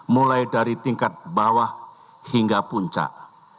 mulai dari tingkat bawah hingga puncak